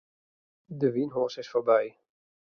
De wynhoas is foarby.